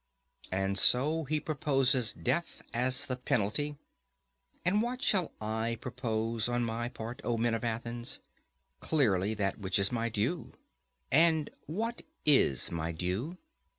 And so he proposes death as the penalty. And what shall I propose on my part, O men of Athens? Clearly that which is my due. And what is my due?